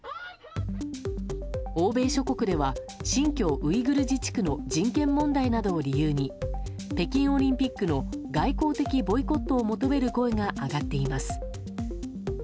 欧米諸国では新疆ウイグル自治区の人権問題などを理由に北京オリンピックの外交的ボイコットを求める声が上がっています。